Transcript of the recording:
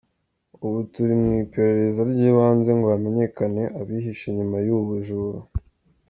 Ubu turi mu iperereza ry’ibanze ngo hamenyekane abihishe inyuma y’ubu bujura.